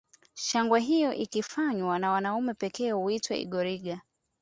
Shangwe hiyo ikifanywa na wanaume pekee huitwa engoliga